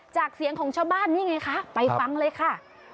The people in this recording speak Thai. เสียงของชาวบ้านนี่ไงคะไปฟังเลยค่ะ